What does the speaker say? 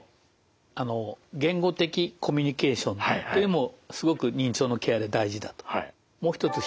あの言語的コミュニケーションというのもすごく認知症のケアで大事だと。